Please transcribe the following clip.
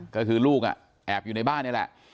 ก็คือลูกแอบอยู่ในบ้านนี่แหละ